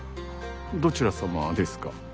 どちら様ですか。